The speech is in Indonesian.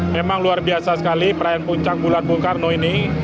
memang luar biasa sekali perayaan puncak bulan bung karno ini